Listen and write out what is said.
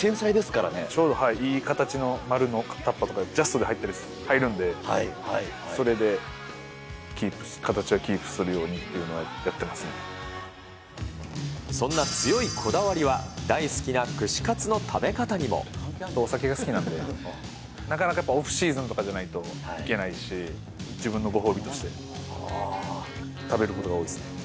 ちょうどいい形の丸のタッパーとかにジャストで入るんで、それで形をキープするようにといそんな強いこだわりは、お酒が好きなので、なかなかやっぱりオフシーズンとかじゃないと行けないし、自分のご褒美として食べることが多いですね。